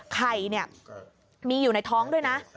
ไข่เนี่ยมีอยู่ในท้องด้วยนะ